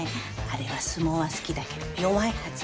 あれは相撲は好きだけど弱いはず。